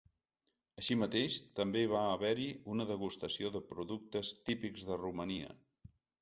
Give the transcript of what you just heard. Així mateix, també va haver-hi una degustació de productes típics de Romania.